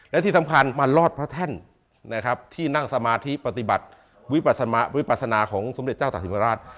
และที่สำคัญมาลอดพระแท่นที่นั่งสมาธิปฏิบัติวิปัศนาของสมเด็จเจ้าตากศิลป์มหาราช